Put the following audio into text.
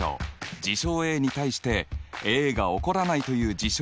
事象Ａに対してＡが起こらないという事象